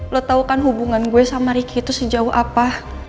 lo tahu kan hubungan gue sama ricky itu sejauh apa